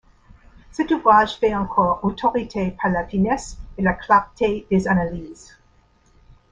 Cet ouvrage fait encore autorité par la finesse et la clarté des analyses.